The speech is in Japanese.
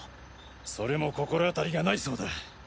それも心当たりがないそうだ。